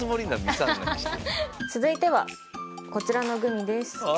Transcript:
続いてはこちらのグミです。